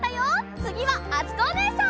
つぎはあつこおねえさん。